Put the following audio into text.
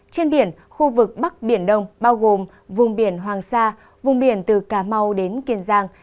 trên biển khu vực bắc biển đông bao gồm vùng biển hoàng sa vùng biển từ cà mau đến kiên giang